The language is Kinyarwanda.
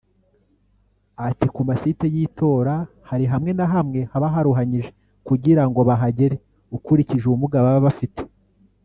Ati “Ku masite y’itora hari hamwe na hamwe haba haruhanyije kugira ngo bahagere ukurikije ubumuga baba bafite